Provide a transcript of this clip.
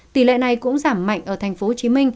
tỷ lệ này cũng giảm mạnh ở tp hcm